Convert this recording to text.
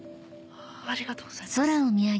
ありがとうございます。